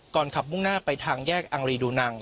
ขับมุ่งหน้าไปทางแยกอังรีดูนัง